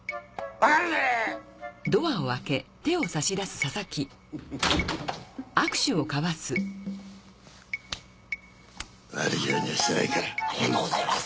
ありがとうございます！